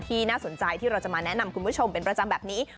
น่าสนใจที่เราจะมาแนะนำคุณผู้ชมเป็นประจำแบบนี้